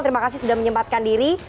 terima kasih sudah menyempatkan diri